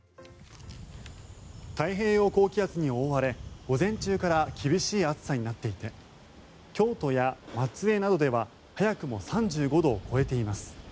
太平洋高気圧に覆われ午前中から厳しい暑さになっていて京都や松江などでは早くも３５度を超えています。